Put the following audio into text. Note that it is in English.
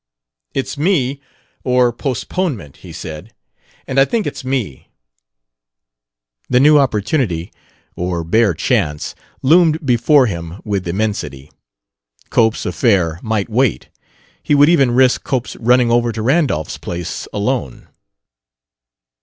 "It's me, or postponement," he said; "and I think it's me." The new opportunity or bare chance loomed before him with immensity. Cope's affair might wait. He would even risk Cope's running over to Randolph's place alone.